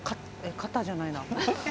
肩じゃないな。